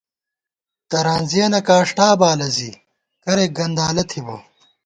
ترانزِیَنہ کاݭٹا بالہ زی کرېک گندالہ تھِبہ